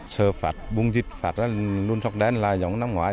sở phạt bùng dịch phạt ra lùn sọc đen là giống năm ngoài